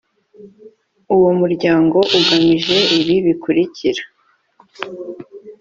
uwo muryango ugamije ibi bikurikira